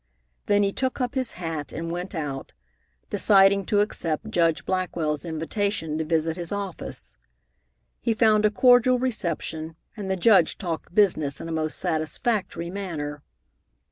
Then he took up his hat and went out, deciding to accept Judge Blackwell's invitation to visit his office. He found a cordial reception, and the Judge talked business in a most satisfactory manner.